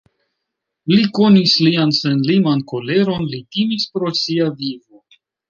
Li konis lian senliman koleron, li timis pro sia vivo.